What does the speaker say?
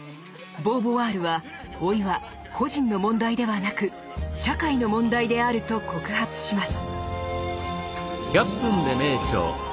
ボーヴォワールは「老い」は個人の問題ではなく社会の問題であると告発します。